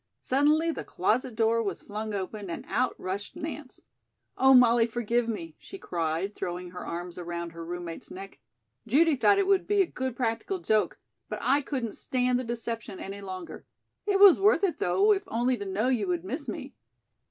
Suddenly the closet door was flung open and out rushed Nance. "Oh, Molly, forgive me," she cried, throwing her arms around her roommate's neck. "Judy thought it would be a good practical joke, but I couldn't stand the deception any longer. It was worth it, though, if only to know you would miss me."